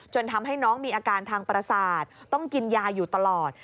ทำให้น้องมีอาการทางประสาทต้องกินยาอยู่ตลอด